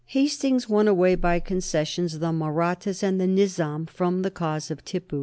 Hastings won away by concessions the Mahrattas and the Nizam from the cause of Tippu.